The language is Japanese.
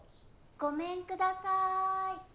・ごめんください。